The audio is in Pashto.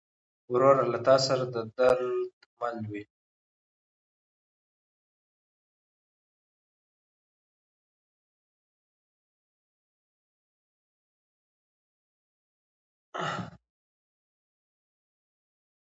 ورور له تا سره د درد مل وي.